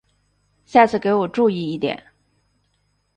下次给我注意一点！